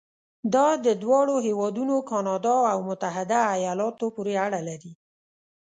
دا د دواړو هېوادونو کانادا او متحده ایالاتو پورې اړه لري.